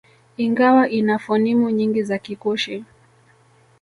Ingawa ina fonimu nyingi za Kikushi